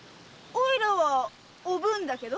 おいらは“おぶん”だけど。